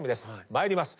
参ります。